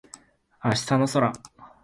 明日の空